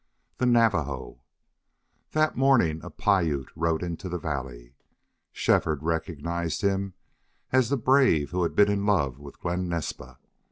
THE NAVAJO That morning a Piute rode into the valley. Shefford recognized him as the brave who had been in love with Glen Naspa.